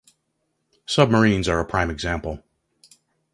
Submarines are a prime example.